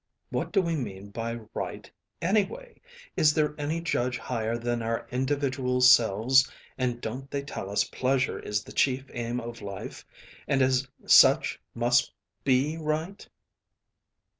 What do we mean by right, anyway? Is there any judge higher than our individual selves, and don't they tell us pleasure is the chief aim of life and as such must be right?"